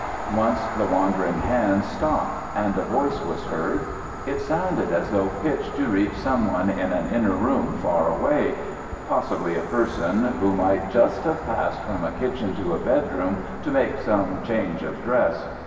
Once the wandering hands stopped and a voice was heard. It sounded as though pitched to reach some one in an inner room farther away, possibly a person who might just have passed from a kitchen to a bedroom to make some change of dress.